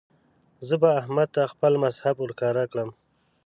زه به احمد ته خپل مذهب ور ښکاره کړم.